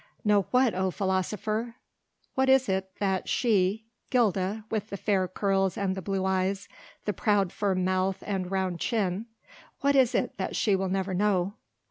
Know what, O philosopher? What is it that she Gilda with the fair curls and the blue eyes, the proud firm mouth and round chin what is it that she will never know?